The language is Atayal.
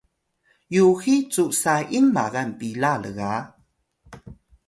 yuxiy cu saying magal pila lga